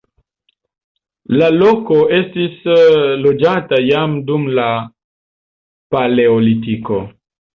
La loko estis loĝata jam dum la paleolitiko.